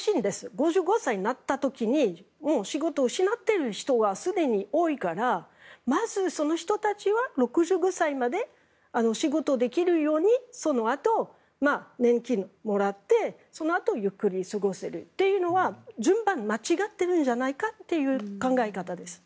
５５歳になった時に仕事を失っている人がすでに多いからまず、その人たちは６５歳まで仕事できるようにそのあと年金をもらってそのあとゆっくり過ごせるというのは順番、間違ってるんじゃないかという考え方です。